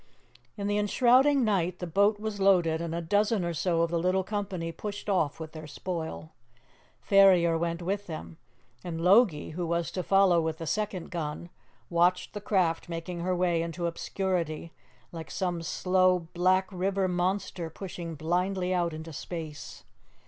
In the enshrouding night the boat was loaded, and a dozen or so of the little company pushed off with their spoil. Ferrier went with them, and Logie, who was to follow with the second gun, watched the craft making her way into obscurity, like some slow black river monster pushing blindly out into space.